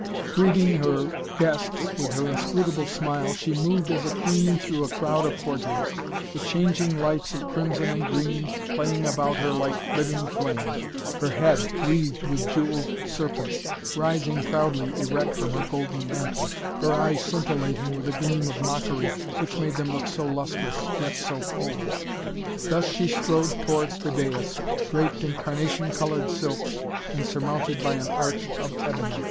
Greeting her guests with her inscrutable smile, she moved as a queen through a crowd of courtiers, the changing lights of crimson and green playing about her like living flame, her head, wreathed with jewelled serpents, rising proudly erect from her golden mantle, her eyes scintillating with a gleam of mockery which made them look so lustrous, yet so cold. Thus she strode towards the dais, draped in carnation colored silks and surmounted by an arch of ebony.